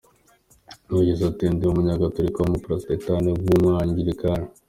Yagize ati “Ndi umugatorika w’ umuporotestani w’ umwangirikani.